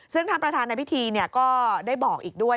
ซึ่งท่านประธานในพิธีก็ได้บอกอีกด้วย